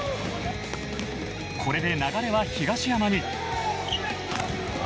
これで、流れは東山へ。